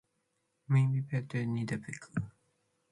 Mimbi pete nibëdec